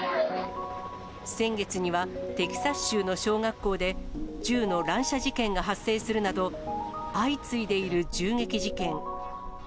先月にはテキサス州の小学校で銃の乱射事件が発生するなど、相次いでいる銃撃事件。